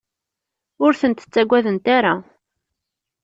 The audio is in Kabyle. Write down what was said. Ur tent-ttagadent ara.